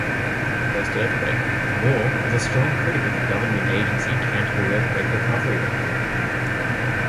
Post-earthquake, Moore was a strong critic of the government agency Canterbury Earthquake Recovery Authority.